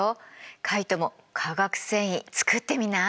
カイトも化学繊維作ってみない？